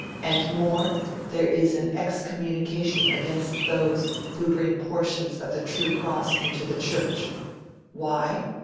And more, there is an excommunication against those who bring portions of the True Cross into the Church. Why?